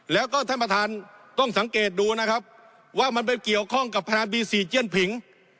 แล้วก็ท่านประธานต้องสังเกตดูนะครับว่ามันไปเกี่ยวข้องกับพนันบีซีเจียนผิง